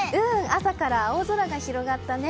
朝から青空が広がったね。